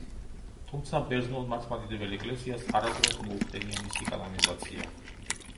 თუმცა ბერძნულ მართლმადიდებელ ეკლესიას არასოდეს მოუხდენია მისი კანონიზაცია.